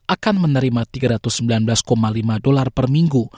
akan menerima tiga ratus sembilan belas lima dolar per minggu